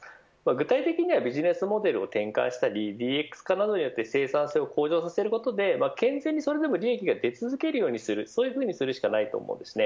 具体的にはビジネスモデルを転換したりＤＸ化などによって生産性を向上することで健全に、それらの利益が出続けるようにするしかないと思います。